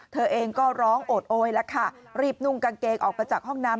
เธอเองก็ร้องโอดโอยแล้วค่ะรีบนุ่งกางเกงออกมาจากห้องน้ำ